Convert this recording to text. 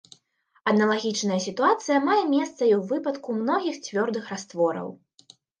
Аналагічная сітуацыя мае месца і ў выпадку многіх цвёрдых раствораў.